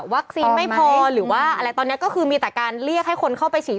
ไม่พอหรือว่าอะไรตอนนี้ก็คือมีแต่การเรียกให้คนเข้าไปฉีด